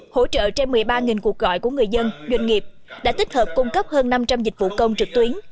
hỗ trợ trên một mươi ba cuộc gọi của người dân doanh nghiệp đã tích hợp cung cấp hơn năm trăm linh dịch vụ công trực tuyến